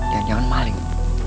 dan yohannu maling